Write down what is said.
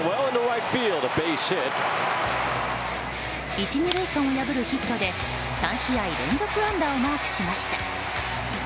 １、２塁間を破るヒットで３試合連続安打をマークしました。